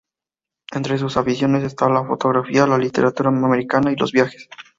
Entre sus aficiones está la fotografía, la literatura americana y los viajes.